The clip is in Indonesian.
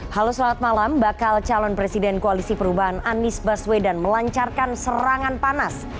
halo selamat malam bakal calon presiden koalisi perubahan anies baswedan melancarkan serangan panas